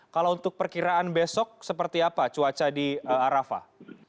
kalau untuk perkiraan besok seperti apa cuaca di arafah